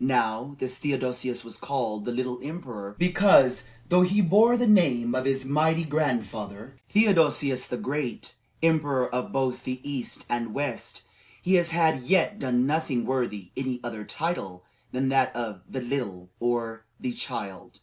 Now, this Theodosius was called "the Little" because, though he bore the name of his mighty grandfather, Theodosius the Great, emperor of both the East and West, he had as yet done nothing worthy any other title than that of "the Little," or "the Child."